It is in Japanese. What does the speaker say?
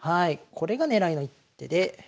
これが狙いの一手で。